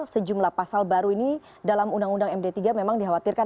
sejumlah pasal baru ini dalam undang undang md tiga memang dikhawatirkan